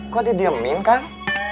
kok di diamin kang